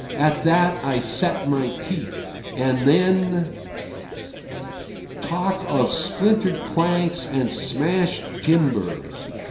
At that I set my teeth. And then— Talk of splintered planks and smashed timbers!